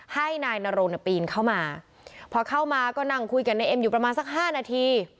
ให้นายนโรงปีนเข้ามาพอเข้ามาก็นั่งคุยกับนายเอ็มอยู่ประมาณสักห้านาที